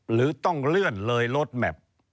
หรือต้องเลื่อนเลยลดแมพ